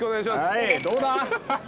はいどうだ？